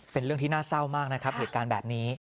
เป็นเรื่องที่น่าเศร้ามากนะครับเหตุการณ์แบบนี้